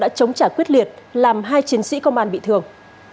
đã chống trả quyết liệt làm hai chiến sĩ công an bị thương